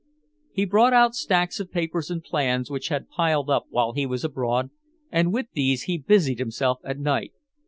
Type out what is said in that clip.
He brought out stacks of papers and plans which had piled up while he was abroad, and with these he busied himself at night.